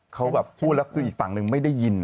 เขาแบบพูดแล้วคืออีกฝั่งนึงไม่ได้ยิน